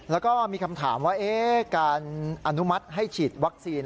แล้วก็มีคำถามว่าการอนุมัติให้ฉีดวัคซีน